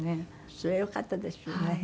それはよかったですよね。